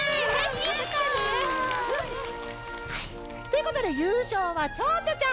よかったね。ということでゆうしょうはちょうちょちゃん。